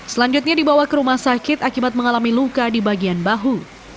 selanjutnya dibawa ke rumah sakit akibat mengalami luka di bagian bahu